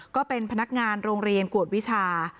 ก็เป็นพนักงานโรงเรียนกวดวิชา